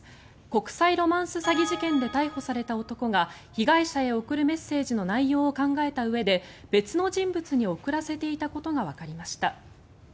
国際ロマンス詐欺事件で逮捕された男が被害者へ送るメッセージの内容を考えたうえで別の人物に送らせていたことがわかりました。